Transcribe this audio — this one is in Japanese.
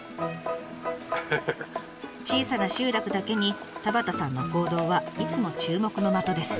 小さな集落だけに田端さんの行動はいつも注目の的です。